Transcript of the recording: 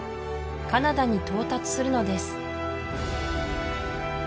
カナダに到達するのです